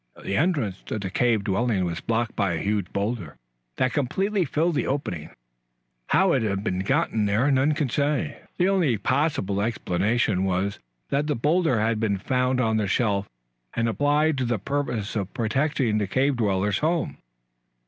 The entrance to the cave dwelling was blocked by a huge boulder, that completely filled the opening. How it had been gotten there none could say. The only possible explanation was that the boulder had been found on the shelf and applied to the purpose of protecting the cave dwellers' home.